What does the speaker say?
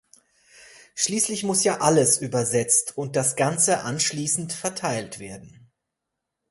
Schließlich muss ja alles übersetzt und das Ganze anschließend verteilt werden.